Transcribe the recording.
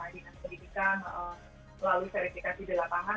dinas pendidikan melalui verifikasi dilapangan